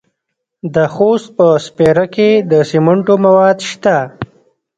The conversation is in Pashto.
د خوست په سپیره کې د سمنټو مواد شته.